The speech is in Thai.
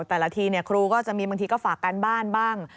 แต่ละทีครูก็จะมีบางทีก็ฝากการบ้านบ้าง